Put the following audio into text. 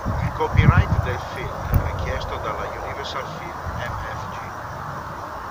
Il copyright del film, richiesto dall'Universal Film Mfg.